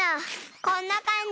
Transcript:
こんなかんじ？